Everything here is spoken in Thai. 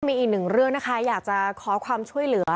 มีอีกหนึ่งเรื่องนะคะอยากจะขอความช่วยเหลือ